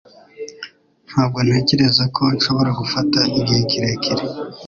Ntabwo ntekereza ko nshobora gufata igihe kirekire